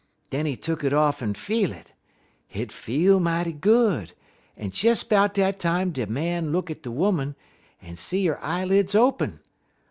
Den he tuck it off en feel it. Hit feel mighty good, but des 'bout dat time de Man look at de 'Oman, en he see 'er eyeleds open.